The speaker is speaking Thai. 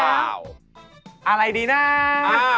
กลองสะบัดชัยจะมอบช่องให้กับคุณหรือเปล่า